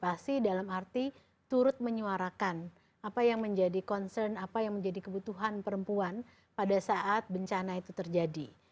investasi dalam arti turut menyuarakan apa yang menjadi concern apa yang menjadi kebutuhan perempuan pada saat bencana itu terjadi